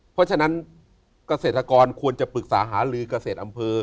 เพราะฉะนั้นเกษตรกรควรจะปรึกษาหาลือเกษตรอำเภอ